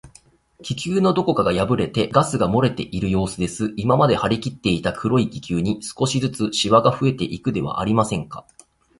気球のどこかがやぶれて、ガスがもれているようすです。今まではりきっていた黒い気球に、少しずつしわがふえていくではありませんか。